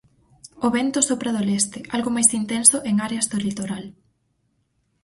O vento sopra do leste, algo máis intenso en áreas do litoral.